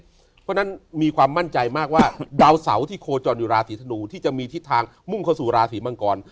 เพราะฉะนั้นมีความมั่นใจมากว่าดาวเสาที่โคจรอยู่ราศีธนูที่จะมีทิศทางมุ่งเข้าสู่ราศีมังกร